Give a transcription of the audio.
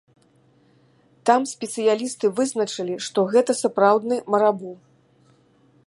Там спецыялісты вызначылі, што гэта сапраўдны марабу!